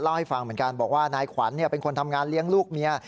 ให้ฟังเหมือนกันบอกว่านายขวัญเป็นคนทำงานเลี้ยงลูกเมีย